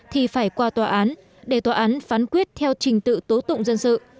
thì phải qua tòa án để tòa án phán quyết theo trình tự tố tụng dân sự